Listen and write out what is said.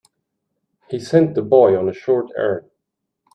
He sent the boy on a short errand.